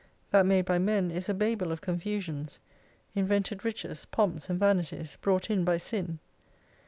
That made by men is a Babel of Confusions : Invented Riches, Pomps and Vanities, brought in by Sin.